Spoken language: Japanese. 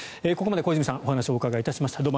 ここまで小泉さんにお話をお伺いしました。